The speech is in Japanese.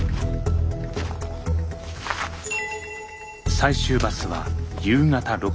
最終バスは夕方６時。